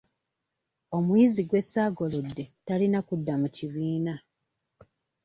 Omuyizi gwe ssaagolodde talina kudda mu kibiina.